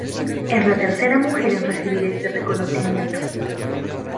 Es la tercera mujer en recibir este reconocimiento.